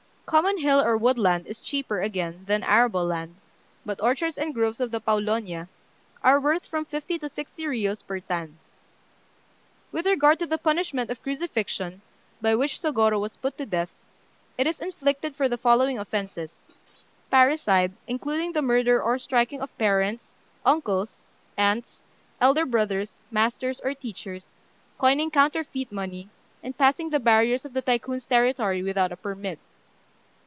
Common hill or wood land is cheaper, again, than arable land; but orchards and groves of the Pawlonia are worth from fifty to sixty riyos per tan. With regard to the punishment of crucifixion, by which Sôgorô was put to death, it is inflicted for the following offences: parricide (including the murder or striking of parents, uncles, aunts, elder brothers, masters, or teachers) coining counterfeit money, and passing the barriers of the Tycoon's territory without a permit.